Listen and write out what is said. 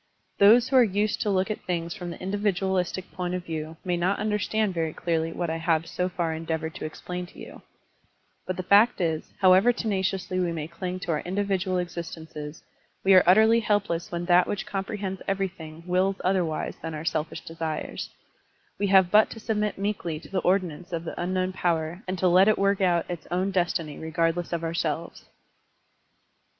Those who are used to look at things from the individuaUstic point of view may not unde rstand very clearly what I have so *From memory. Digitized by Google 176 SERMONS OF A BUDDHIST ABBOT far endeavored to explain to you; but the fact is, however tenaciously we may cling to our indi vidual existences, we are utterly helpless when that which comprehends everything wills other wise than our selfish desires; we have but to submit meekly to the ordinance of the un known power and to let it work out its own destiny regardless of ourselves.